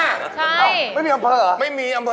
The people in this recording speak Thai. ใช่ไม่มีอำเภอเหรอ